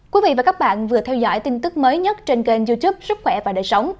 quý vị và các bạn vừa theo dõi tin tức mới nhất trên kênh youtube sức khỏe và đời sống